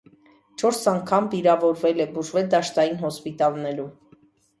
Չորս անգամ վիրավորվել է, բուժվել դաշտային հոսպիտալներում։